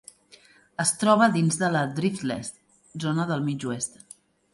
Es troba dins de la Driftless Zone del mig oest.